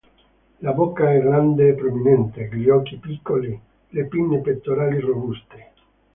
La bocca è grande e prominente, gli occhi piccoli, le pinne pettorali robuste.